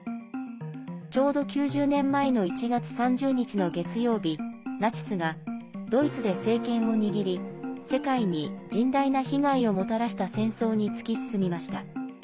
ちょうど９０年前の１月３０日の月曜日ナチスがドイツで政権を握り世界に甚大な被害をもたらした戦争に突き進みました。